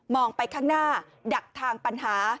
องไปข้างหน้าดักทางปัญหา